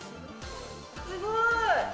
すごーい！